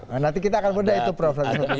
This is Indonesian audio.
nah nanti kita akan bedah itu prof